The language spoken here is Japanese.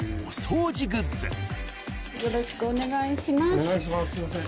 お願いします。